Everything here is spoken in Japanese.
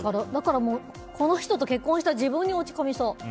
この人と結婚した自分に落ち込みそう。